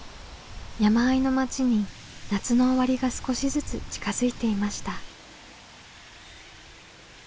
山あいの町に夏の終わりが少しずつ近づいていました。